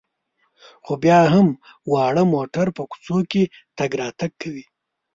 خو بیا هم واړه موټر په کوڅو کې تګ راتګ کوي.